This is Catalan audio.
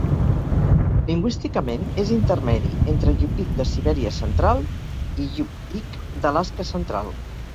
Lingüísticament, és intermedi entre Yupik de Sibèria Central i Yup'ik d'Alaska Central.